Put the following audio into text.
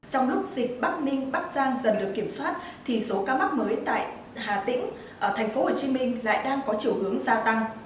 trong lúc dịch bắc ninh bắc giang dần được kiểm soát thì số ca mắc mới tại hà tĩnh thành phố hồ chí minh lại đang có chiều hướng gia tăng